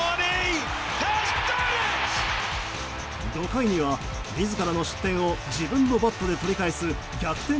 ５回には自らの失点を自分のバットで取り返す逆転